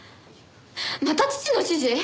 また父の指示！？